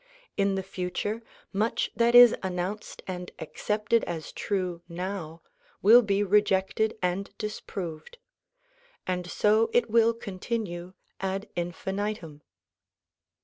In the future much that is an nounced and accepted as true now will be rejected and disproved. And so it will continue ad infinitum.